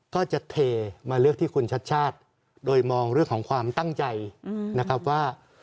ก็จะเทมาเลือกที่คุณชัดชาติโดยมองเรื่องของความตั้งใจนะครับว่า